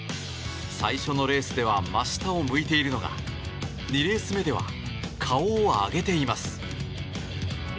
最初のレースでは真下を向いているのが２レース目では顔を上げています。